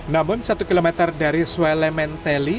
namun satu km dari swellen mantelli